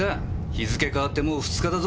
日付変わってもう２日だぞ。